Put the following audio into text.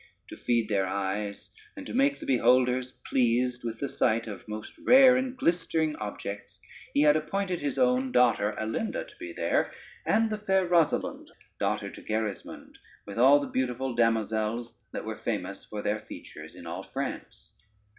To feed their eyes, and to make the beholders pleased with the sight of most rare and glistering objects, he had appointed his own daughter Alinda to be there, and the fair Rosalynde, daughter unto Gerismond, with all the beautiful damosels that were famous for their features in all France.